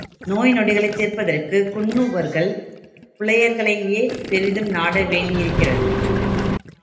நோய் நொடிகளைத் தீர்ப்பதற்குக் குன்னுவர்கள் புலையர்களையே பெரிதும் நாடவேண்டியிருக்கிறது.